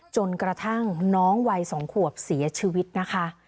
จนกระทั่งน้องวัย๒ขวบเสียชีวิตนะคะ